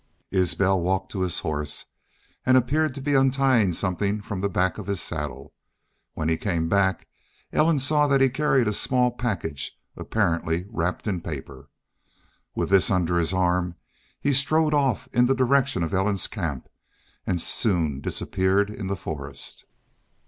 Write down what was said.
Isbel walked to his horse and appeared to be untying something from the back of his saddle. When he came back Ellen saw that he carried a small package apparently wrapped in paper. With this under his arm he strode off in the direction of Ellen's camp and soon disappeared in the forest.